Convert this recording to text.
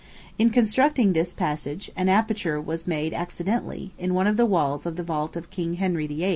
In constructing this passage, an aperture was made accidentally, in one of the walls of the vault of King Henry VIII.